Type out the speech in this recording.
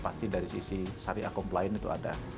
pasti dari sisi syariah komplain itu ada